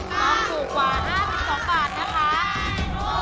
ถูกกว่า๕๒บาท